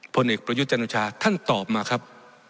พลเอกประยุจจันทราท่านตอบมาครับ